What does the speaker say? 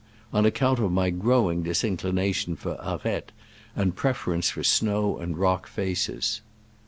On account of my growing disinclination for aretes, and preference for snow and rock faces.